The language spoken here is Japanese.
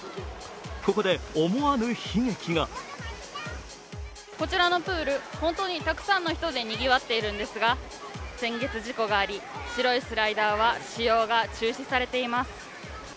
ここで思わぬ悲劇がこちらのプール本当にたくさんの人でにぎわっているんですが先月、事故があり白いスライダーは使用が中止されています。